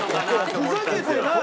「ふざけてない！」